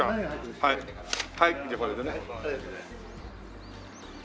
はいじゃあこれでね。